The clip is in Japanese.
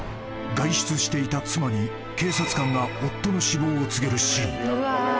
［外出していた妻に警察官が夫の死亡を告げるシーン］